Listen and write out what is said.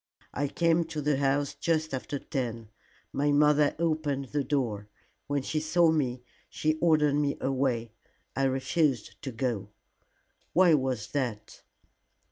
I came to the house just after ten. My mother opened the door. When she saw me, she ordered me away. I refused to go." "Why was that?"